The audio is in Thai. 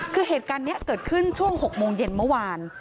คือเหตุการณ์นี้เกิดขึ้นช่วง๖โมงเย็นเมื่อวาน